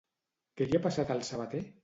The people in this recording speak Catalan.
Què li ha passat al Sabaté?